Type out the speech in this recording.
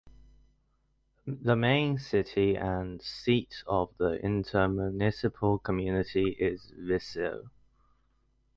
The main city and seat of the intermunicipal community is Viseu.